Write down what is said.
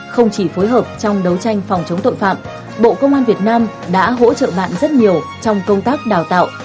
không chỉ phối hợp trong đấu tranh phòng chống tội phạm bộ công an việt nam đã hỗ trợ bạn rất nhiều trong công tác đào tạo